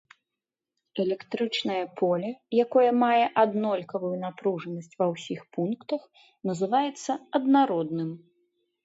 Электрычнае поле, якое мае аднолькавую напружанасць ва ўсіх пунктах, называецца аднародным.